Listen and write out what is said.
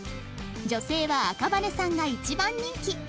女性は赤羽さんが一番人気